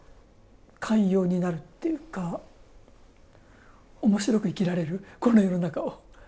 寛容になるっていうかおもしろく生きられるこの世の中を。